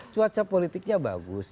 cuaca politiknya bagus